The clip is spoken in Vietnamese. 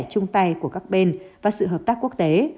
chung tay của các bên và sự hợp tác quốc tế